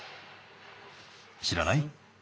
しらない？